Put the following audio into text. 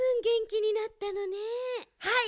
はい。